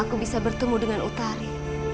aku bisa bertemu dengan utari